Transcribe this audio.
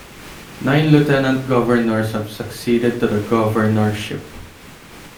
Nine lieutenant governors have succeeded to the governorship.